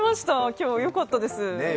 今日、よかったです。